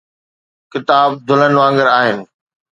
ڪتاب دلہن وانگر آهن.